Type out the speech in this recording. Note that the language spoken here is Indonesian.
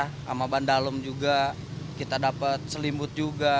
sama ban dalem juga kita dapat selimut juga